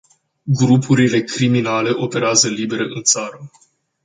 Grupurile criminale operează libere în țară.